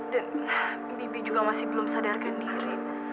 dan bibi juga masih belum sadarkan diri